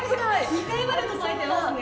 ２階まで届いてますね。